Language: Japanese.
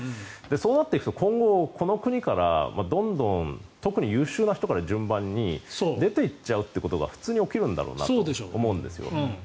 そうなっていくと今後この国からどんどん特に優秀な人から順番に出ていっちゃうということが普通に起きるんだろうなと思うんです。